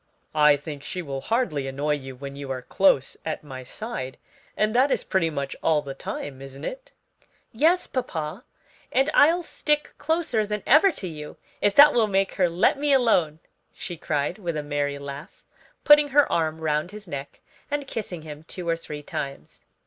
I think she will hardly annoy you when you are close at my side; and that is pretty much all the time, isn't it?" "Yes, papa, and I'll stick closer than ever to you if that will make her let me alone," she cried, with a merry laugh, putting her arm round his neck and kissing him two or three times.